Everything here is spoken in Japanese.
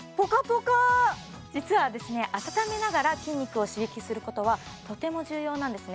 実はですね温めながら筋肉を刺激することはとても重要なんですね